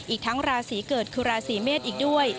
อีกทั้งราศีเกิดคือราศีเมษอีกด้วย